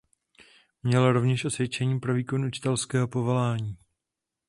Měl rovněž osvědčení pro výkon učitelského povolání.